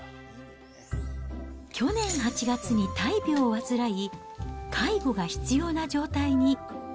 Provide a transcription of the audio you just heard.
去年８月に大病を患い、介護が必要な状態に。